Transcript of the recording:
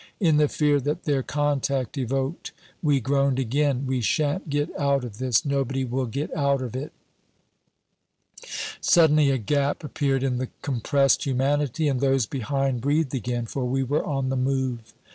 In the fear that their contact evoked we groaned again, "We shan't get out of this; nobody will get out of it." Suddenly a gap appeared in the compressed humanity, and those behind breathed again, for we were on the move.